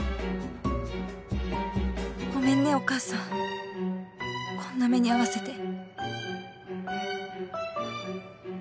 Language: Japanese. ごめんねお母さんこんな目に遭わせて